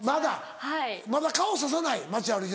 まだ顔ささない？